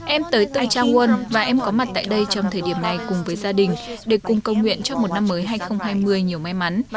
em tới từ changwon và em có mặt tại đây trong thời điểm này cùng với gia đình để cùng cầu nguyện cho một năm mới hai nghìn hai mươi nhiều may mắn